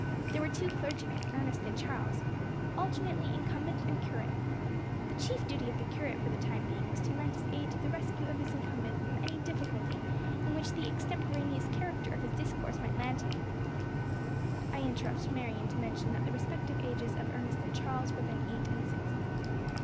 There were two clergymen, Ernest and Charles, alternately incumbent and curate. The chief duty of the curate for the time being was to lend his aid to the rescue of his incumbent from any difficulty in which the extemporaneous character of his discourse might land him." I interrupt Marion to mention that the respective ages of Ernest and Charles were then eight and six.